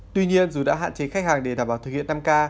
tuy nhiên dù đã hạn chế khách hàng để đảm bảo thực hiện năm k